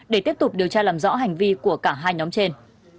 để tiếp tục điều tra làm rõ hành vi của cả hai nhóm trên